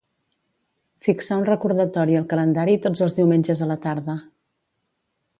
Fixar un recordatori al calendari tots els diumenges a la tarda.